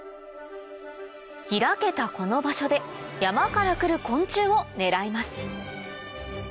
開けたこの場所で山から来る昆虫を狙います